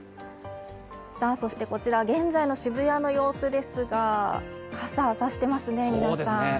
そしてこちら現在の渋谷の様子ですが、傘差していますね、皆さん。